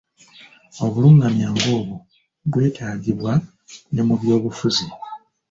Obulungamya ng'obwo bwetaagibwa ne mu byobufuzi.